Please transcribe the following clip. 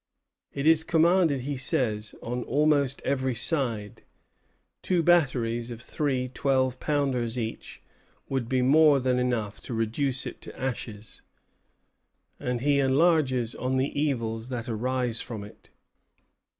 "It is commanded," he says, "on almost every side; two batteries, of three twelve pounders each, would be more than enough to reduce it to ashes." And he enlarges on the evils that arise from it.